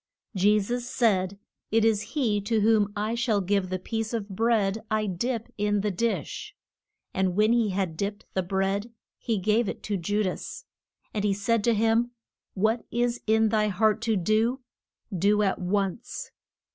Je sus said, It is he to whom I shall give the piece of bread I dip in the dish. And when he had dipped the bread he gave it to Ju das. And he said to him, What is in thy heart to do, do at once.